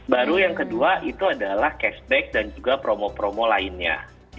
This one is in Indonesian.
baru yang kedua itu adalah cashback dan juga promo promo lainnya